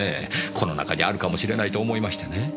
この中にあるかもしれないと思いましてね。